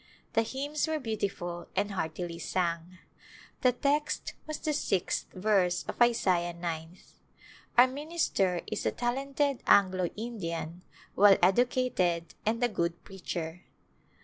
The hymns were beautiful and heartily sung. [ 332] Last Days The text was the sixth verse of Isaiah ninth. Our minister is a talented Anglo Indian, well educated and a good preacher.